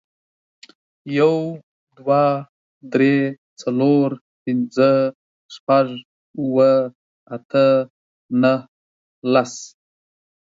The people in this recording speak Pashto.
يو، دوه، درې، څلور، پينځه، شپږ، اووه، اته، نهه، لس